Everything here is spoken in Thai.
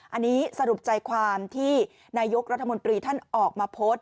อันนี้สรุปใจความที่นายกรัฐมนตรีท่านออกมาโพสต์